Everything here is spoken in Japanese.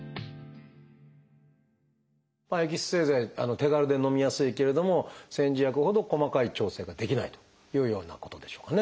手軽でのみやすいけれども煎じ薬ほど細かい調整ができないというようなことでしょうかね？